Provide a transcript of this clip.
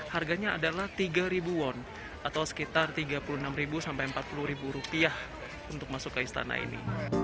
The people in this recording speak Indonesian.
harganya adalah tiga won atau sekitar tiga puluh enam sampai empat puluh untuk masuk ke istana ini